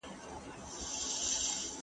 د نظام وفاداري د ټولو مسووليت دی.